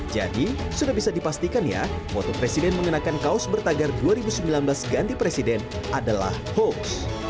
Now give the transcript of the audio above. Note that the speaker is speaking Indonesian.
jadi sudah bisa dipastikan ya foto presiden mengenakan kaos bertagar dua ribu sembilan belas ganti presiden adalah hoax